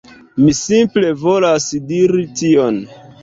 Mi simple volas diri tion.